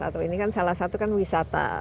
atau ini kan salah satu kan wisata